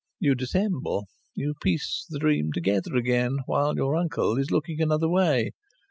You dissemble. You piece the dream together again while your uncle is looking another way.